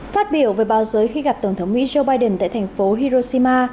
phát biểu về bao giới khi gặp tổng thống mỹ joe biden tại thành phố hiroshima